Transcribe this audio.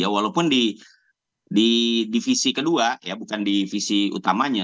walaupun di divisi kedua ya bukan di visi utamanya